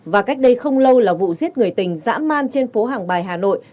và cách đây không lâu là vụ giết người tình dã man trên phố hàng bài hà nội